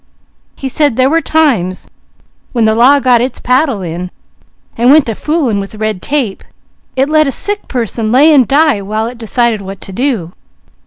He said there were times when the law got its paddle in, and went to fooling with red tape, it let a sick person lay and die while it decided what to do.